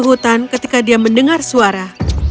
hutan ketika dia mendengar suara